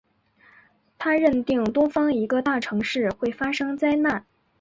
他认定东方一个大城市会发生灾难。